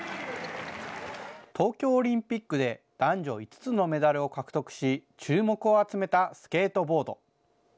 東京オリンピックで男女５つのメダルを獲得し、注目を集めたスケートボード。